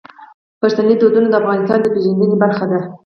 پښتني دودونه د افغانستان د پیژندنې برخه دي.